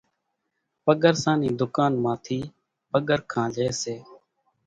پڳرسان نِي ڌُڪان مان ٿي پگرکان لئي سي۔